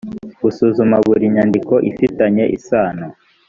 gusuzuma buri nyandiko ifitanye isano